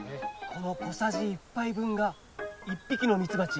この小さじ１杯分が１匹のミツバチ